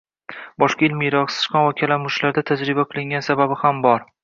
Boshqa – ilmiyroq, sichqon va kalamushlarda tajriba qilingan sababi ham bor.